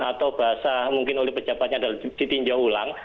atau bahasa mungkin oleh pejabatnya ditinjau ulang